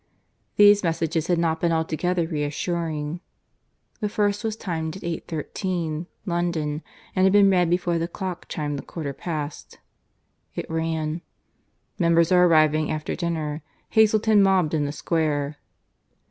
These messages had not been altogether reassuring. The first was timed at 8.13, London, and had been read before the clock chimed the quarter past. It ran: "MEMBERS ARE ARRIVING AFTER DINNER. HAZELTON MOBBED IN THE SQUARE."